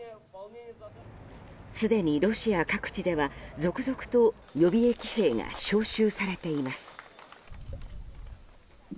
すでにロシア各地では、続々と予備役兵が招集されています。